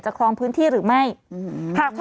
จะคลองพื้นที่หรือไม่หาก